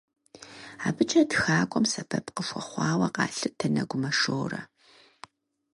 АбыкӀэ тхакӀуэм сэбэп къыхуэхъуауэ къалъытэ Нэгумэ Шорэ.